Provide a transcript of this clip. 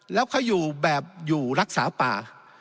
แล้วเขาอยู่แบบอยู่รักษาป่า